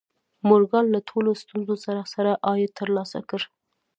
مورګان له ټولو ستونزو سره سره عاید ترلاسه کړ